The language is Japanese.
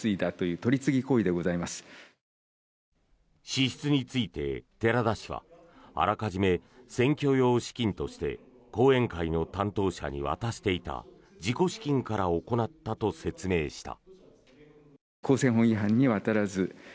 支出について寺田氏はあらかじめ選挙用資金として後援会の担当者に渡していた自己資金から行ったと説明した。